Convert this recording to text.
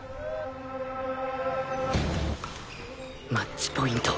マッチポイント！